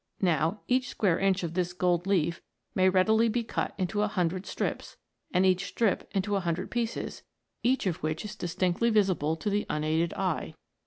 Now, each square inch of this gold leaf may readily be cut into a hundred strips, and each strip into a hundred pieces, each of which is distinctly visible to the unaided eye.